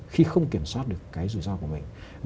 khi không kiểm soát được cái rủi ro của mình